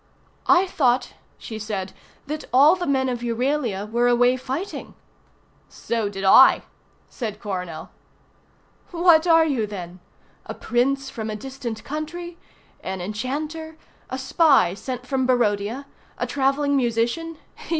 "I thought," she said, "that all the men of Euralia were away fighting." "So did I," said Coronel. "What are you, then? A Prince from a distant country, an enchanter, a spy sent from Barodia, a travelling musician?